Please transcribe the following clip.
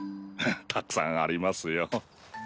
たくさんありますよ。